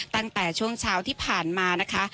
ตั้งแต่ช่วงเช้าที่ผ่านมานะคะ